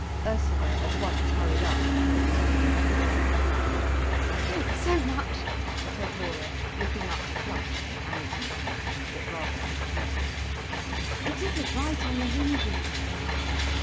Ursula at once hurried up and helped to lift the gate. "Thanks so much," said Laura, looking up flushed and amazon like, yet rather confused. "It isn't right on the hinges."